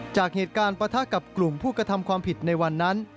จากเหตุการณ์ปะทะกับกลุ่มผู้กระทำความผิดในวันนั้น